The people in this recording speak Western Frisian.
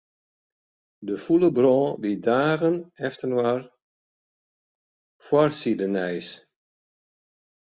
De fûle brân wie dagen efterinoar foarsidenijs.